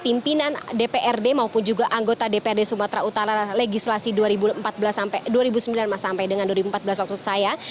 pimpinan dprd maupun juga anggota dprd sumatera utara legislasi dua ribu sembilan sampai dengan dua ribu empat belas maksud saya